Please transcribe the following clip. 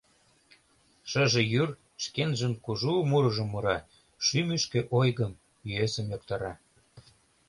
Шыже йӱр шкенжын кужу мурыжым мура, шӱмышкӧ ойгым, йӧсым йоктара.